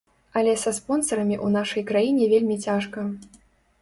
Але са спонсарамі ў нашай краіне вельмі цяжка.